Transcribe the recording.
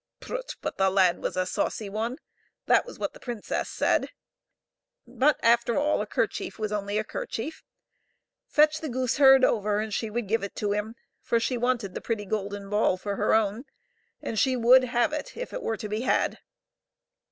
Prut ! but the lad was a saucy one ; that was what the princess said. But, after all, a kerchief was only a kerchief ; fetch the gooseherd over and she would give it to him, for she wanted the pretty golden ball for her own, and she would have it if it were to be had.